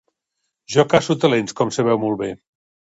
Jo caço talents, com sabeu molt bé.